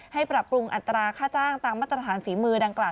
ปรับปรุงอัตราค่าจ้างตามมาตรฐานฝีมือดังกล่า